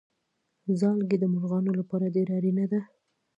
ځالګۍ د مرغانو لپاره ډېره اړینه ده.